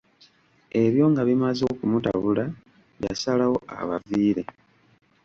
Ebyo nga bimaze okumutabula yasalawo abaviire.